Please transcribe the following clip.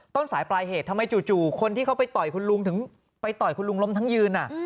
ต้นสายปลายเหตุทำไมจู่คนที่เขาไปต่อยคุณลุงถึงไปต่อยคุณลุงล้มทั้งยืน